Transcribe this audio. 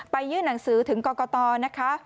ยื่นหนังสือถึงกรกตนะคะ